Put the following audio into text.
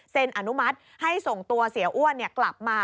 อนุมัติให้ส่งตัวเสียอ้วนกลับมา